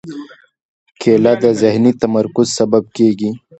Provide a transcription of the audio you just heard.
کېله د ذهني تمرکز سبب کېږي.